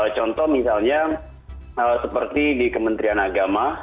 contoh misalnya seperti di kementerian agama